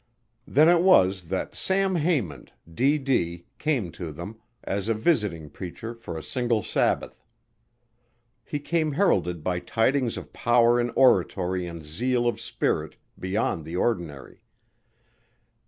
Then it was that Sam Haymond, D.D., came to them, as a visiting preacher for a single Sabbath. He came heralded by tidings of power in oratory and zeal of spirit beyond the ordinary.